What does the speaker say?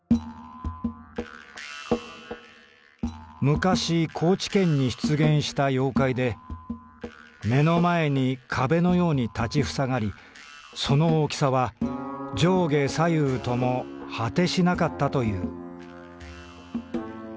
「昔高知県に出現した妖怪で目の前に壁のように立ちふさがりその大きさは上下左右とも果てしなかったという」。